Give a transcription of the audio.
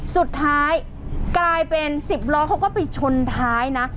สุดท้ายกลายเป็น๑๐ล้อเขาก็ไปชนท้ายนะ